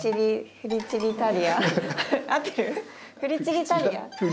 フリチリタリア？